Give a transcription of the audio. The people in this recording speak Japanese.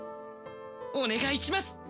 お願いします！